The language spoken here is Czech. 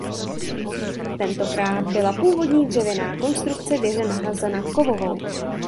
Tentokrát byla původní dřevěná konstrukce věže nahrazena kovovou.